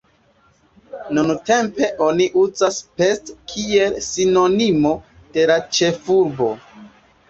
Nuntempe oni uzas "Pest", kiel sinonimo de la ĉefurbo.